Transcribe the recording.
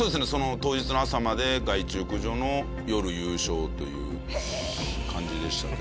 当日の朝まで害虫駆除の夜優勝という感じでしたけどね。